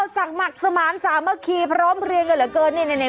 สักหมากสมามสำมาคีพร้อมพื้นกันแบบนี้